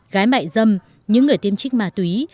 gái mại dâm những người tiêm trích ma túy